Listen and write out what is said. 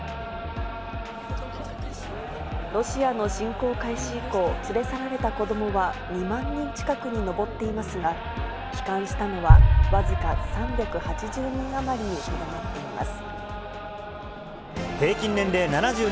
ロシアの侵攻開始以降、連れ去られた子どもは２万人近くに上っていますが、帰還したのは僅か３８０人余りにとどまっています。